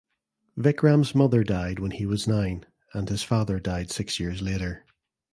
Vikram’s mother died when he was nine and his father died six years later.